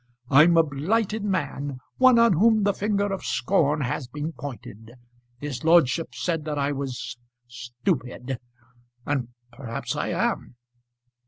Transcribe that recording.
"I'm a blighted man; one on whom the finger of scorn has been pointed. His lordship said that I was stupid; and perhaps I am."